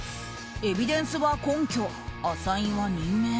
エビデンスは根拠アサインは任命。